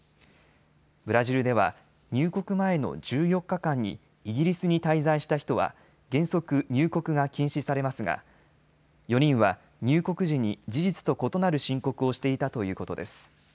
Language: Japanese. ブラジルでは入国前の１４日間にイギリスに滞在した人は原則、入国が禁止されますが４人は入国時に事実と異なる申告をしていたということです。